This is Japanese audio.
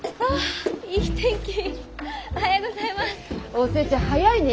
お寿恵ちゃん早いね！